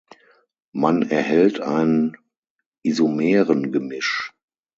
Man erhält ein Isomerengemisch.